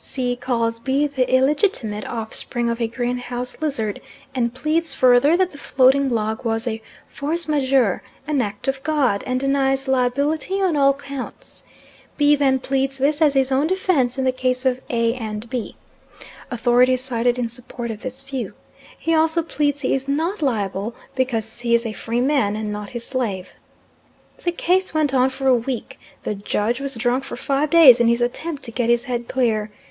C. calls B. the illegitimate offspring of a greenhouse lizard, and pleads further that the floating log was a force majeure an act of God, and denies liability on all counts. B. then pleads this as his own defence in the case of A. and B. (authorities cited in support of this view); he also pleads he is not liable, because C. is a free man, and not his slave. The case went on for a week; the judge was drunk for five days in his attempt to get his head clear.